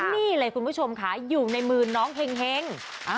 นี่เลยคุณผู้ชมค่ะอยู่ในมือน้องเฮง